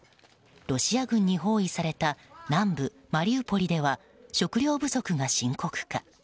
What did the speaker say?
ロシア軍に包囲された南部マリウポリでは食糧不足が深刻化。